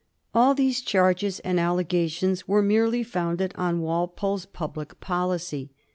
All these charges and allegations were merely founded on Walpole's public policy.